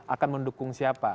akan mendukung siapa